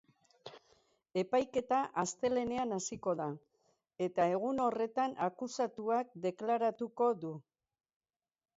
Epaiketa astelehenean hasiko da, eta, egun horretan, akusatuak deklaratuko du.